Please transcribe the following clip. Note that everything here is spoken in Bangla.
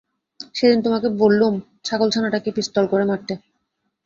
সেদিন তোমাকে বললুম, ছাগলছানাটাকে পিস্তল করে মারতে।